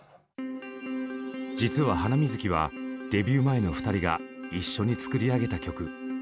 実は「ハナミズキ」はデビュー前の二人が一緒に作り上げた曲。